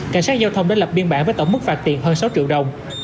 cảnh sát giao thông đã lập biên bản với tổng mức phạt tiền hơn sáu triệu đồng